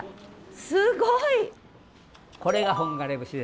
すごい！これが本枯節です。